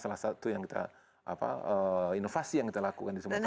salah satu inovasi yang kita lakukan di semua kelompok